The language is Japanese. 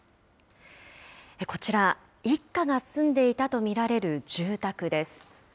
こちら、一家が住んでいたと見られる住宅です。